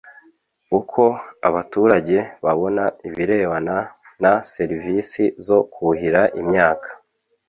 uko abaturage babona ibirebana na serivisi zo kuhira imyaka